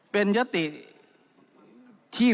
เป็นยศติที่เสนอเฉพาะ